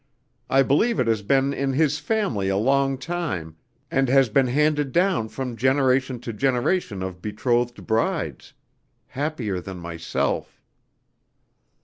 I believe it has been in his family a long time, and has been handed down from generation to generation of betrothed brides happier than myself."